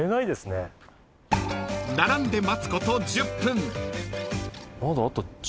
［並んで待つこと１０分］